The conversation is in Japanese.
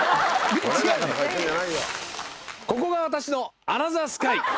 ここが私のアナザースカイ！